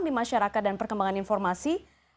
di masyarakat dan perkembangan informasi